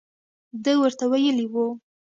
ده ورته ویلي وو.